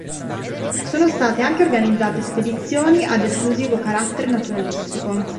Sono state anche organizzate spedizioni ad esclusivo carattere naturalistico.